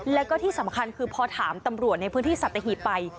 แล้วก็ที่สำคัญคือพอถามตำรวจในพื้นที่สัตหีบไป